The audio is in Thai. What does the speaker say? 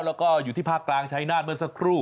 แล้วก็อยู่ที่ภาคกลางชายนาฏเมื่อสักครู่